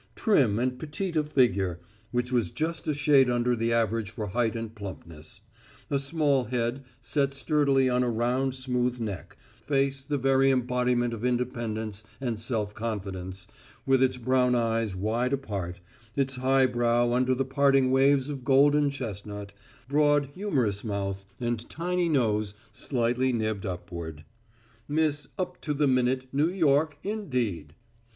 Trim and petite of figure, which was just a shade under the average for height and plumpness; a small head set sturdily on a round smooth neck; face the very embodiment of independence and self confidence, with its brown eyes wide apart, its high brow under the parting waves of golden chestnut, broad humorous mouth, and tiny nose slightly nibbed upward: Miss Up to the Minute New York, indeed!